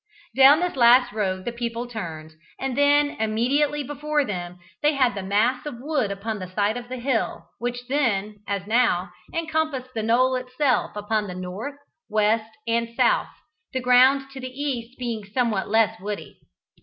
Down this last road the people turned, and then, immediately before them they had the mass of wood upon the side of the hill, which then, as now, encompassed the knoll itself upon the north, west, and south, the ground to the east being somewhat less woody.